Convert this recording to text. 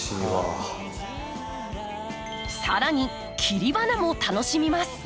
さらに切り花も楽しみます。